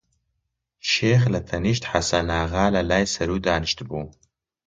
شێخ لەتەنیشت حەسەناغا لە لای سەروو دانیشتبوو